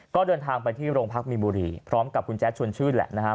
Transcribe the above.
ก็เดินทางไปที่โรงพักมีบุรีพร้อมกับคุณแจ๊ดชวนชื่นแหละนะครับ